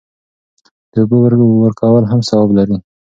د اوبو ورکول هم ثواب لري.